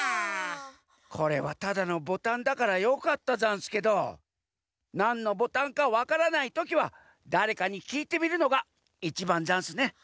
これはただのボタンだからよかったざんすけどなんのボタンかわからないときはだれかにきいてみるのがいちばんざんすね。